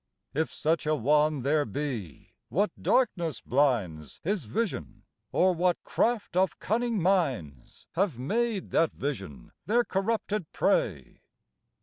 If such a one there be, what darkness blinds. His vision, or what craft of cunning minds Have made that vision their corrupted prey?